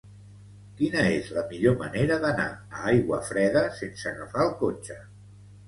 Quina és la millor manera d'anar a Aiguafreda sense agafar el cotxe?